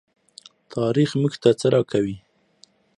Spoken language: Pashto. تاریخ موږ ته څه راکوي؟